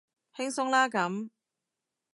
輕鬆啦咁